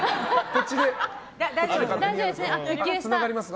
大丈夫ですね。